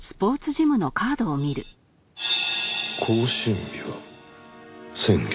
更新日は先月。